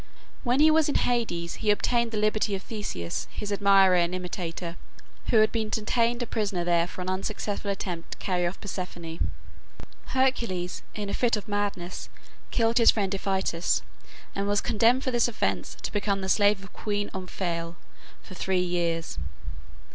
When he was in Hades he obtained the liberty of Theseus, his admirer and imitator, who had been detained a prisoner there for an unsuccessful attempt to carry off Proserpine. Hercules in a fit of madness killed his friend Iphitus, and was condemned for this offence to become the slave of Queen Omphale for three years.